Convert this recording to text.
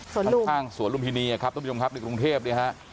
ตอนข้างสวรว์ลุ่มฮินีอ่ะครับคุณผู้ชมครับในกรุงเทพเนี่ยฮะ